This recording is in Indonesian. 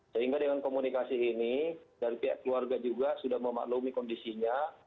sehingga dengan komunikasi ini dari pihak keluarga juga sudah memaklumi kondisinya